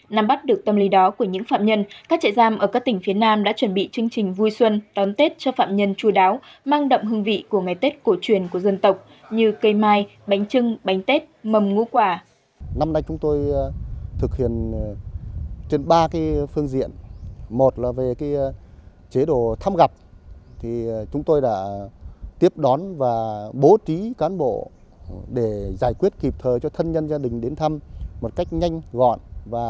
năm bắt được tâm lý đó của những phạm nhân các trại giam ở các tỉnh phía nam đã chuẩn bị chương trình vui xuân đón tết cho phạm nhân chú đáo mang động hương vị của ngày tết cổ truyền của dân tộc như cây mai bánh trưng bánh tết mầm ngũ quả